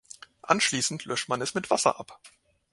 Anschließend löscht man es mit Wasser ab.